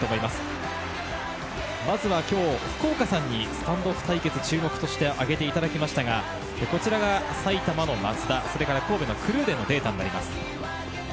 まずは今日福岡さんにスタンドオフ対決としてあげていただきましたが、こちらが埼玉の松田、神戸のクルーデンのデータです。